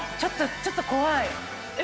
ちょっと怖い。